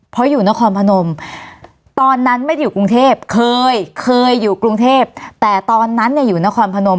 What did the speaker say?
เพราะอยู่นครพนมตอนนั้นไม่ได้อยู่กรุงเทพเคยเคยอยู่กรุงเทพแต่ตอนนั้นเนี่ยอยู่นครพนม